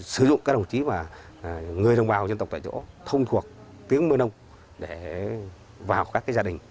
sử dụng các đồng chí và người đồng bào dân tộc tại chỗ thông thuộc tiếng mơ nông để vào các gia đình